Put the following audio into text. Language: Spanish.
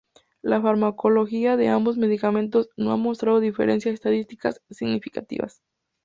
La farmacología de ambos medicamentos no ha mostrado diferencias estadísticamente significativas.